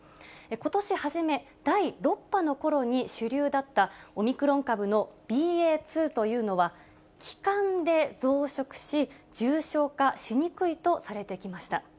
ことし初め、第６波のころに主流だった、オミクロン株のＢＡ．２というのは、気管で増殖し、重症化しにくいとされてきました。